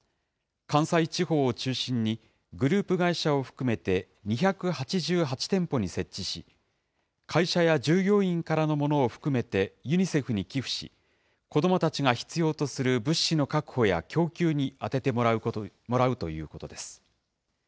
関西地方を中心に、グループ会社を含めて２８８店舗に設置し、会社や従業員からのものを含めてユニセフに寄付し、子どもたちが必要とする、物資の確保や供給に充ててもらうということです。